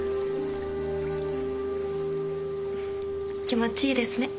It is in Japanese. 気持ちいいですね。